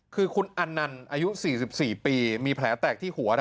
คือคุณอันนันต์อายุ๔๔ปีมีแผลแตกที่หัว